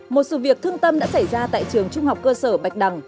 một sự việc thương tâm đã xảy ra tại trường trung học cơ sở bạch đằng